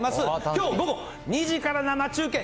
きょう午後２時から生中継。